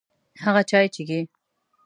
هغه چای چیکي.